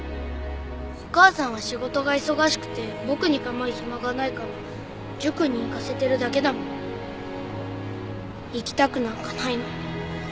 お母さんは仕事が忙しくて僕に構う暇がないから塾に行かせてるだけだもん。行きたくなんかないのに。